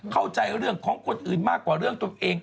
เข้าใจเรื่องของคนอื่นมากกว่าเรื่องตัวเอง